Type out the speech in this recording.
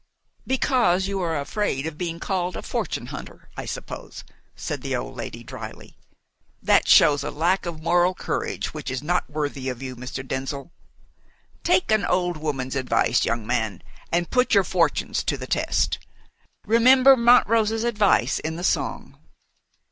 "Because you are afraid of being called a fortune hunter, I suppose," said the old lady drily. "That shows a lack of moral courage which is not worthy of you, Mr. Denzil. Take an old woman's advice, young man, and put your fortunes to the test. Remember Montrose's advice in the song."